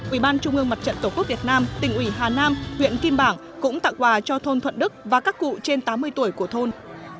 ủy ban trung ương mặt trận tổ quốc việt nam tỉnh ủy hà nam huyện kim bảng cũng tặng quà cho thôn thuận đức và các cụ trên tám mươi tuổi của thôn